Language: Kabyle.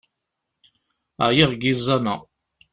Ɛyiɣ seg yiẓẓan-a!